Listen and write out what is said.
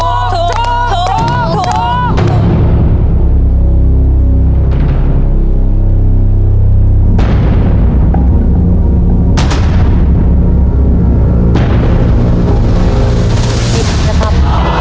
นี่นะครับ